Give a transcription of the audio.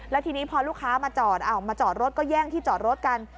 แล้วทีนี้พอลูกค้ามาจอดมาจอดรถก็แย่งที่จอดรถกัน